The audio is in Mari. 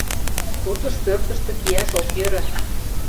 Тутыш пӧртыштӧ кияш ок йӧрӧ.